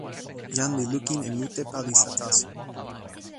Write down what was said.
jan li lukin e mute palisa taso.